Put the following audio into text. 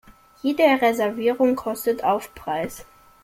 Jede Reservierung kostet Aufpreis.